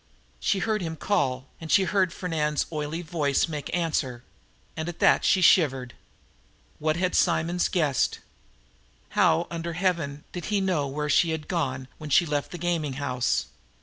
She heard him call, and she heard Fernand's oily voice make answer. And at that she shivered. What had Simonds guessed? How, under heaven, did he know where she had gone when she left the gaming house?